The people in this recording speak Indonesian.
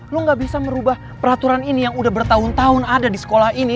lu gak bisa merubah peraturan ini yang udah bertahun tahun ada di sekolah ini